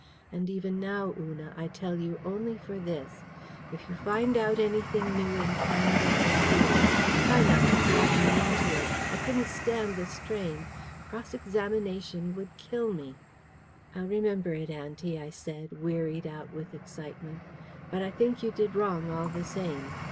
And even now, Una, I tell you only for this: if you find out anything new, in Canada or here, try not to drag me into it. I couldn't stand the strain. Cross examination would kill me." "I'll remember it, auntie," I said, wearied out with excitement. "But I think you did wrong, all the same.